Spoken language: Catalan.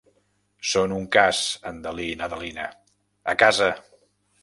Són un cas, en Dalí i n'Adelina, a casa!